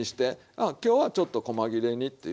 あ今日はちょっとこま切れにっていう